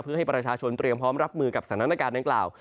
เพื่อให้ประชาชนเตรียมพร้อมรับมือกับสถานการณ์ดังกล่าว